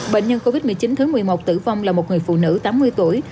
bệnh nhân covid một mươi chín thứ một mươi một tử vong là một người phụ nữ tám mươi tuổi